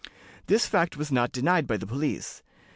This fact was not denied by the police.